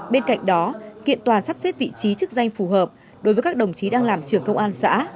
bên cạnh đó kiện tòa sắp xếp vị trí chức danh phù hợp đối với các đồng chí đang làm trưởng công an xã